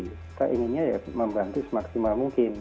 kita inginnya ya membantu semaksimal mungkin